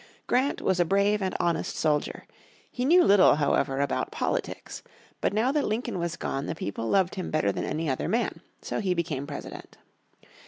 Grant was a brave and honest soldier. He knew little however about politics. But now that Lincoln was gone the people loved him better than any other man. So he became President.